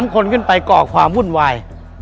คนขึ้นไปก่อความวุ่นวาย